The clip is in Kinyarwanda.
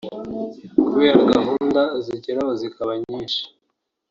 kubera gahunda zigeraho zikaba nyinshi